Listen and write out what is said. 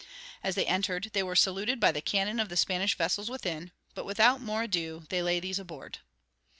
As they entered they were saluted by the cannon of the Spanish vessels within, but without more ado they lay these aboard.